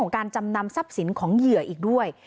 การจำนำทรัพย์สินของเหยื่ออีกด้วย